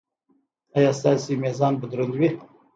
ایا ستاسو میزان به دروند وي؟